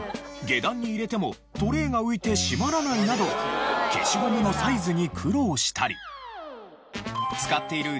下段に入れてもトレイが浮いて閉まらないなど消しゴムのサイズに苦労したり。